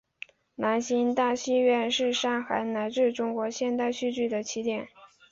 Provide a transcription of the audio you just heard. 兰心大戏院是上海乃至中国现代戏剧的起点。